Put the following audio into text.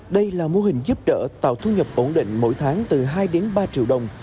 đây là mô hình giúp đỡ tạo thu nhập ổn định mỗi tháng từ hai đến ba triệu đồng